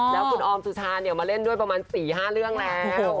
แล้วคุณออมสุชามาเล่นด้วยประมาณ๔๕เรื่องแล้ว